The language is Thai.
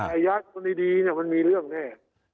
อายัดดีมันมีเรื่องแน่